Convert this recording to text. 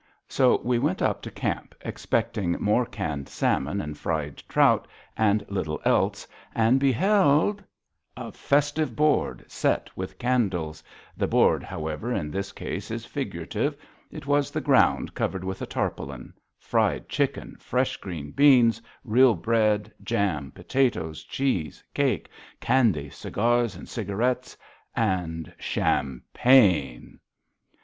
So we went up to camp, expecting more canned salmon and fried trout and little else, and beheld A festive board set with candles the board, however, in this case is figurative; it was the ground covered with a tarpaulin fried chicken, fresh green beans, real bread, jam, potatoes, cheese, cake, candy, cigars, and cigarettes. And champagne!